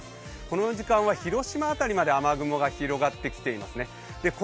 この時間は広島辺りまで雨雲が広がってきていますね。